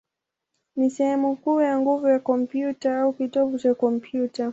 ni sehemu kuu ya nguvu ya kompyuta, au kitovu cha kompyuta.